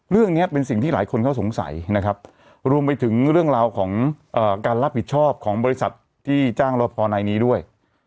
เรื่องนี้เป็นสิ่งที่หลายคนเขาสงสัยนะครับรวมไปถึงเรื่องราวของการรับผิดชอบของบริษัทที่จ้างรอพอนายนี้ด้วย